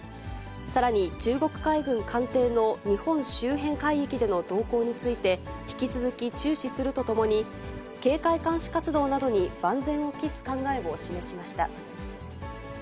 さらに中国海軍艦艇の日本周辺海域での動向について、引き続き注視するとともに、警戒監視活動などに万全を期す考えを示しました。